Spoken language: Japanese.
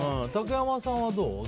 竹山さんはどう？